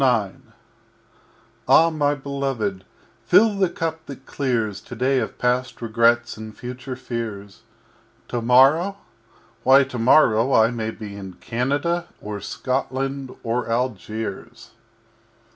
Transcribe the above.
IX Ah, my Beloved, fill the Cup that clears TODAY of past Regrets and future Fears Tomorrow! Why, Tomorrow I may be In Canada or Scotland or Algiers!